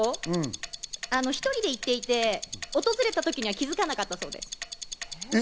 １人で行っていて、訪れた時には気づかなかったそうです。